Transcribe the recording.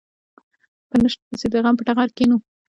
په نشت پسې د غم په ټغره کېنو.